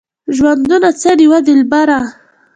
ژوندونه څه دی وه دلبره؟